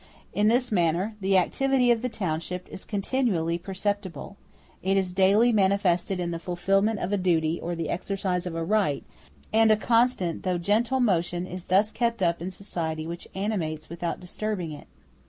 In this manner the activity of the township is continually perceptible; it is daily manifested in the fulfilment of a duty or the exercise of a right, and a constant though gentle motion is thus kept up in society which animates without disturbing it.